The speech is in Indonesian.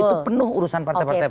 itu penuh urusan partai partai